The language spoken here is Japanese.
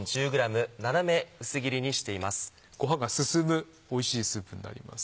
ごはんが進むおいしいスープになります。